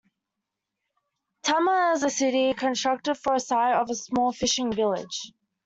Tema is a city constructed on the site of a small fishing village.